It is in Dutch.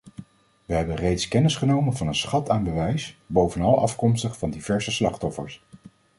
We hebben reeds kennisgenomen van een schat aan bewijs, bovenal afkomstig van diverse slachtoffers.